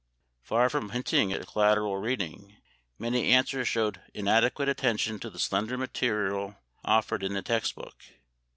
Far from hinting at collateral reading, many answers showed inadequate attention to the slender material offered in the text book.